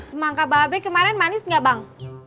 semangka babe kemarin manis nggak bang